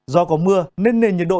do có mưa nên nền nhiệt độ